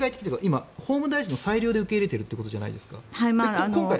今、法務大臣の裁量で受け入れているわけじゃないですか。